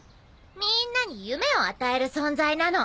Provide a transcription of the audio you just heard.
みんなに夢を与える存在なの。